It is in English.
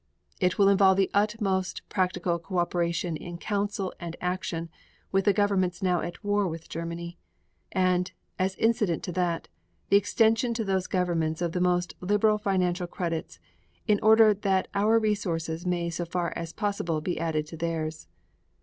It will involve the utmost practicable co operation in counsel and action with the governments now at war with Germany, and, as incident to that, the extension to those governments of the most liberal financial credits, in order that our resources may so far as possible be added to theirs.